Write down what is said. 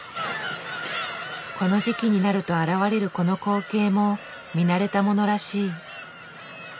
この時期になると現れるこの光景も見慣れたものらしい。